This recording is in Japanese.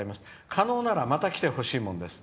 可能ならまた来てほしいものです」。